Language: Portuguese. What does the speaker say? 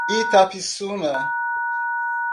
Itapissuma